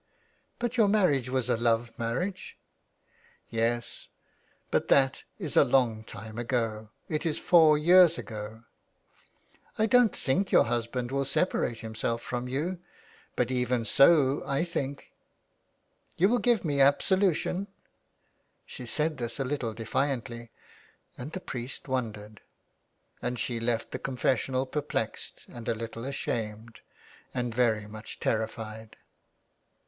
'' But your marriage was a love marriage ?" 365 THE WILD GOOSE. " Yes, but that is a long time ago. It is four years ago." " I don't think your husband will separate himself from you, but even so I think —"" You will give me absolution ?" She said this a little defiantly, and the priest won dered, and she left the confessional perplexed and a little ashamed and very much terrified.